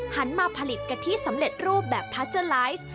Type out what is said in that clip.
หันมาผลิตกะทิสำเร็จรูปแบบพาเจอร์ไลฟ์